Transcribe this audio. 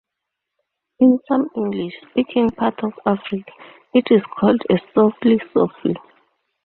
In some English-speaking parts of Africa, it is called a "softly-softly".